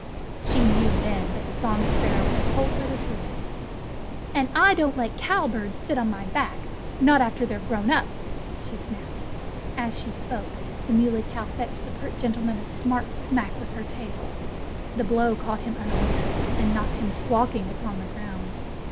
She knew, then, that the song sparrow had told her the truth. "And I don't let cowbirds sit on my back not after they're grown up!" she snapped. As she spoke, the Muley Cow fetched the pert gentleman a smart smack with her tail. The blow caught him unawares and knocked him squawking upon the ground.